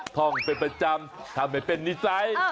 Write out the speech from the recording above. ท่องเป็นประจำทำให้เป็นนิสัย